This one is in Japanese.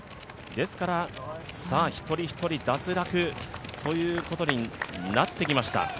一人一人脱落ということになってきました。